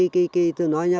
khi tôi nói nha